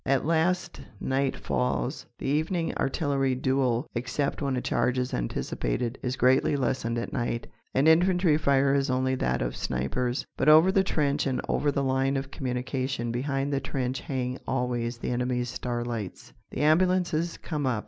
At last night falls. The evening artillery duel, except when a charge is anticipated, is greatly lessened at night, and infantry fire is only that of "snipers." But over the trench and over the line of communication behind the trench hang always the enemy's "starlights." The ambulances come up.